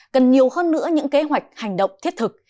cần nhiều hơn nữa những kế hoạch hành động thiết thực